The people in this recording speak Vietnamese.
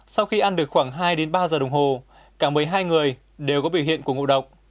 sau khi ăn được khoảng hai đến ba giờ đồng hồ cả một mươi hai người đều có biểu hiện của ngộ độc